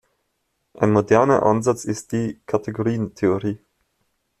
Ein moderner Ansatz ist die Kategorientheorie.